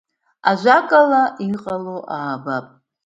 Ажәакала, иҟало аабап.